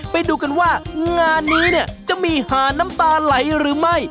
ไปดูกันว่างานนี้เนี่ยจะมีหาน้ำตาไหลหรือไม่